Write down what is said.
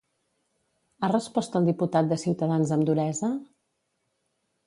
Ha respost al diputat de Ciutadans amb duresa?